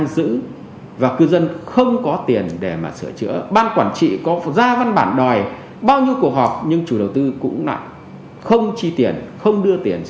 gửi không kỳ hạn tại ngân hàng để thu lãi suất